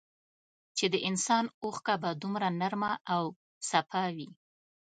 چي د انسان اوښکه به دومره نرمه او سپا وې